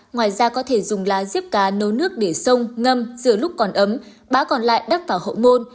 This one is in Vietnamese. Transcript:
ngoài ra có thể dùng lá dếp cá nấu nước để sông ngâm rửa lúc còn ấm bã còn lại đắp vào hậu môn